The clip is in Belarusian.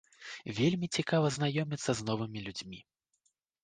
Вельмі цікава знаёміцца з новымі людзьмі.